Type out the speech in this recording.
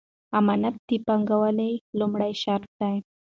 امنیت د پانګونې لومړنی شرط دی.